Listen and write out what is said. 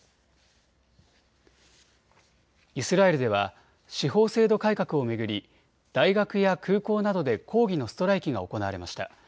イスラエルでは司法制度改革を巡り大学や空港などで抗議のストライキが行われました。